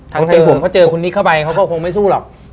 ทางใจผมก็เจอคุณนิกเข้าไปเขาก็คงไม่สู้หรอก